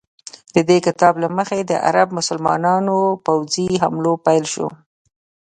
د دې کتاب له مخې د عرب مسلمانانو پوځي حملو پیل شو.